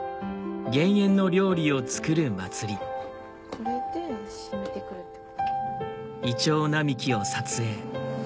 これで染みてくるってことね。